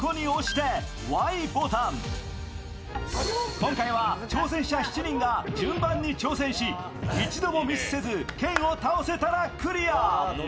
今回は挑戦者７人が順番に挑戦し一度もミスせずケンを倒せたらクリア。